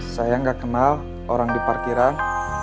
saya nggak kenal orang di parkiran